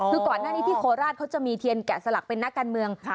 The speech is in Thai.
คือก่อนหน้านี้ที่โคราชเขาจะมีเทียนแกะสลักเป็นนักการเมือง